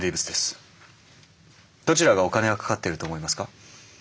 どちらがお金がかかってると思いますか？